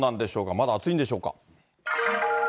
まだ暑いんでしょうか。